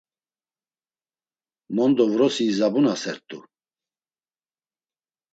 Mondo vrosi izabunasert̆u.